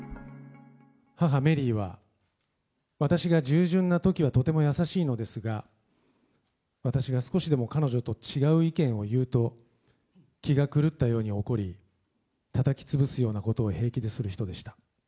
母、メリーは、私が従順なときはとても優しいのですが、私が少しでも彼女と違う意見を言うと、気が狂ったように怒り、叩き潰すようなことを平気でする人でした。